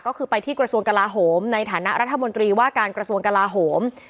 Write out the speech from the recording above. ก็คือไปที่กระทรวงกลาโหมในฐานะรัฐมนตรีว่าการกระทรวงกลาโหม